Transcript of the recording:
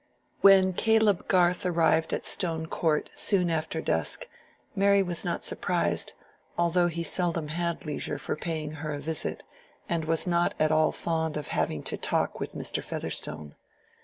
When Caleb Garth arrived at Stone Court soon after dusk, Mary was not surprised, although he seldom had leisure for paying her a visit, and was not at all fond of having to talk with Mr. Featherstone.